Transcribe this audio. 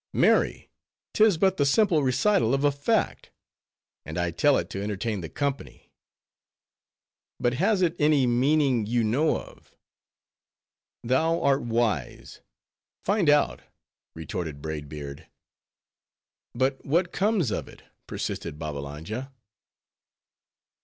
"Marry! 'tis but the simple recital of a fact; and I tell it to entertain the company." "But has it any meaning you know of?" "Thou art wise, find out," retorted Braid Beard. "But what comes of it?" persisted Babbalanja.